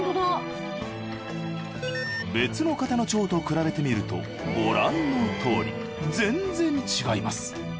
別の方の腸と比べてみるとご覧のとおり全然違います。